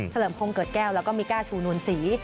เลิมคงเกิดแก้วแล้วก็มิก้าชูนวลศรี